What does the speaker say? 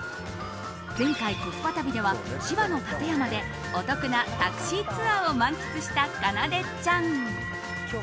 前回、コスパ旅では千葉の館山でお得なタクシーツアーを満喫したかなでちゃん。